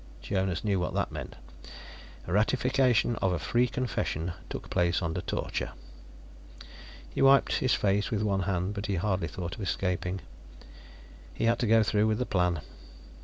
Jonas knew what that meant: ratification of a free confession took place under torture. He wiped his face with one hand, but he hardly thought of escaping. He had to go through with the plan.